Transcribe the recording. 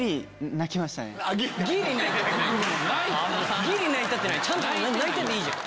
「泣いた」でいいじゃん。